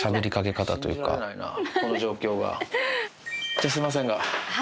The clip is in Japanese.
じゃあすいませんが。